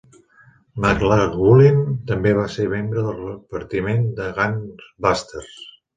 MacLaughlin també va ser membre del repartiment de "Gang Busters".